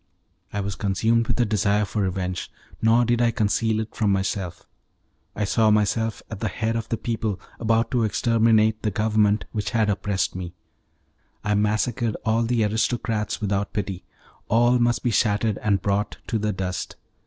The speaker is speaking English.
I was consumed with a desire for revenge, nor did I conceal it from myself. I saw myself at the head of the people, about to exterminate the Government which had oppressed me; I massacred all the aristocrats without pity; all must be shattered and brought to the dust.